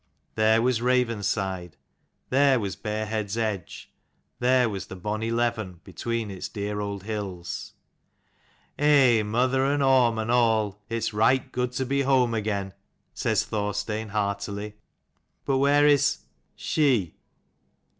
There was Ravenside, there was Barehead's edge, there was the bonny Leven between its dear old hills. "Eh, mother and Orm and all, its right good to be home again:" says Thorstein heartily; "but where is she?"